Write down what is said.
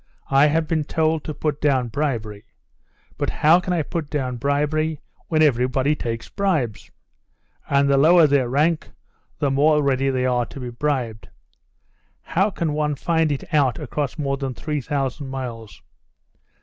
I have been told to put down bribery. But how can I put down bribery when everybody takes bribes? And the lower their rank the more ready they are to be bribed. How can one find it out across more than three thousand miles?